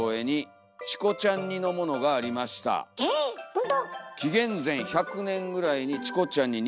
え⁉ほんと？